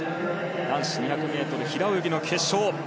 男子２００ｍ平泳ぎの決勝。